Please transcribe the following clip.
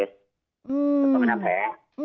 อืมต้องไปทำแพ้